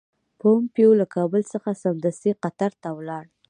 پومپیو له کابل څخه سمدستي قطر ته ولاړ.